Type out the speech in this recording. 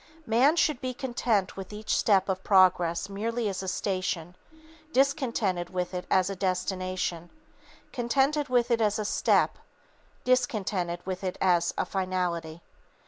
Man should be content with each step of progress merely as a station, discontented with it as a destination; contented with it as a step; discontented with it as a finality.